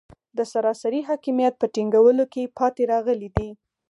د سراسري حاکمیت په ټینګولو کې پاتې راغلي دي.